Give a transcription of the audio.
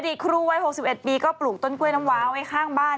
ตครูวัย๖๑ปีก็ปลูกต้นกล้วยน้ำว้าวไว้ข้างบ้าน